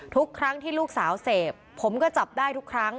ทุกครั้งที่ลูกสาวเสพผมก็จับได้ทุกครั้ง